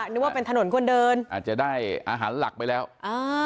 นึกว่าเป็นถนนคนเดินอาจจะได้อาหารหลักไปแล้วอ่า